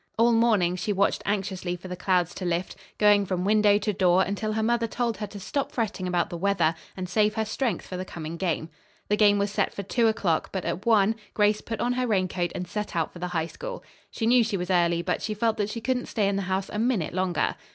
All morning she watched anxiously for the clouds to lift, going from window to door until her mother told her to stop fretting about the weather and save her strength for the coming game. The game was set for two o'clock, but at one, Grace put on her raincoat and set out for the High School. She knew she was early, but she felt that she couldn't stay in the house a minute longer.